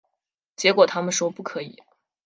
结果他们说不可以